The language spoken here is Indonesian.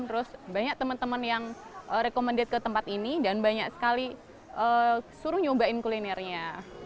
terus banyak teman teman yang recommended ke tempat ini dan banyak sekali suruh nyobain kulinernya